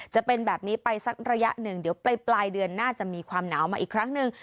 จะเป็นแบบนี้ไปสักระยะหนึ่งเดี๋ยวปลายเดือนน่าจะมีความหนาวมาอีกครั้งหนึ่ง